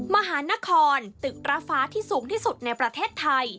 มหานครตึกร้าฟ้าที่สูงที่สุดในประเทศไทย